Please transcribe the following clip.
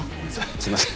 すいません